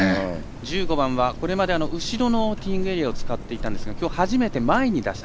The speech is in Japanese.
１４番後ろのティーイングエリアを使っていたんですがきょう初めて前に出して。